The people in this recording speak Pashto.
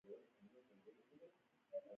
نجونې به تر هغه وخته پورې کورنۍ دندې ترسره کوي.